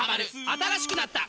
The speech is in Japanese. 新しくなった！